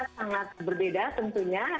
sangat berbeda tentunya